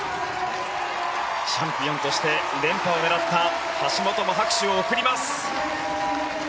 チャンピオンとして連覇を狙った橋本も拍手を送ります。